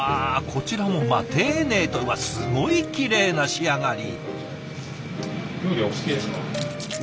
こちらも丁寧うわっすごいきれいな仕上がり。